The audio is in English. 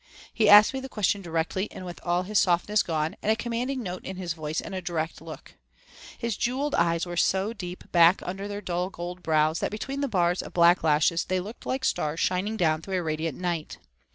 He asked me the question directly and with all his softness gone and a commanding note in his voice and direct look. His jeweled eyes were so deep back under their dull gold brows that between the bars of black lashes they looked like stars shining down through a radiant night.